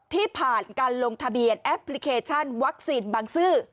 ที่ผ่านการลงทะเบียนแอปพลิเคชันวัคซีนบางซื่อ